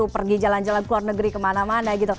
pergi jalan jalan ke luar negeri kemana mana gitu